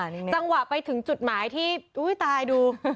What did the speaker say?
จังหวะไปถึงจุดหมายที่อุ้ยตายดู